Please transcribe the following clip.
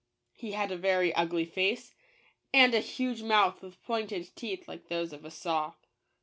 He had a very ugly face, and a huge mouth with pointed teeth like those of a saw.